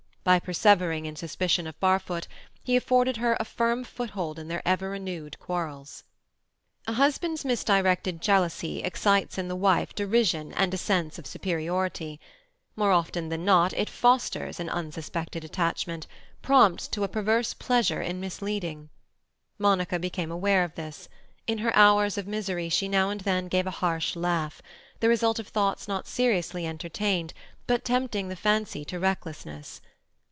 By persevering in suspicion of Barfoot, he afforded her a firm foothold in their ever renewed quarrels. A husband's misdirected jealousy excites in the wife derision and a sense of superiority; more often than not, it fosters an unsuspected attachment, prompts to a perverse pleasure in misleading. Monica became aware of this; in her hours of misery she now and then gave a harsh laugh, the result of thoughts not seriously entertained, but tempting the fancy to recklessness.